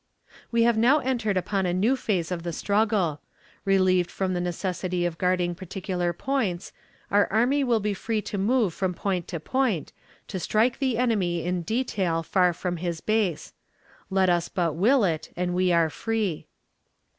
"We have now entered upon a new phase of the struggle. Relieved from the necessity of guarding particular points, our army will be free to move from point to point, to strike the enemy in detail far from his base. Let us but will it, and we are free.